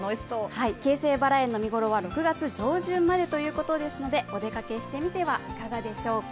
京成バラ園の見頃は６月上旬までということですのでお出かけしてみてはいかがでしょうか。